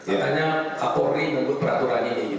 artinya apori untuk peraturannya ini